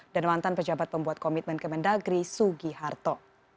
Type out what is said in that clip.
dan mantan pejabat pembuat komitmen kemendagri sugi harto